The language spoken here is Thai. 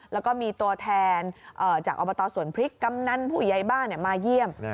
แล้วก็มีตัวแทนจากอบตสวนพริกกำนันผู้ใหญ่บ้านมาเยี่ยม